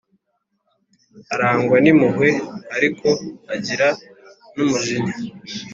arangwa n’impuhwe, ariko agira n’umujinya,